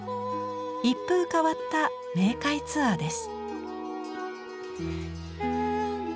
一風変わった冥界ツアーです。